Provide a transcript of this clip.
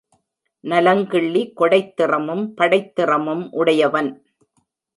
நலங்கிள்ளி கொடைத் திறமும், படைத் திறமும் உடையவன்.